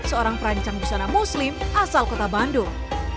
seorang perancang busana muslim asal kota bandung